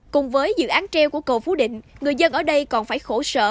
cùng với dự án treo của cầu phú định người dân ở đây còn phải khổ sở